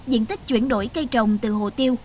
diện tích chuyển đổi cây trồng từ hồ tiêu